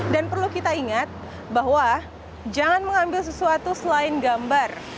dan perlu kita ingat bahwa jangan mengambil sesuatu selain gambar